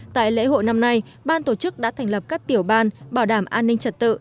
tại lễ hội năm nay ban tổ chức đã thành lập các tiểu ban bảo đảm an ninh trật tự